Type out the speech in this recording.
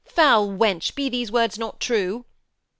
Foul wench, be these words not true?'